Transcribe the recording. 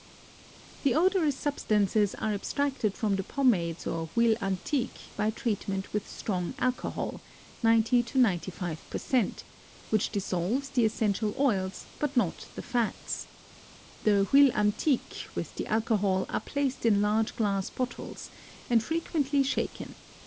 The odorous substances are abstracted from the pomades or huiles antiques by treatment with strong alcohol (90 95%) which dissolves the essential oils but not the fats. The huiles antiques with the alcohol are placed in large glass bottles and frequently shaken.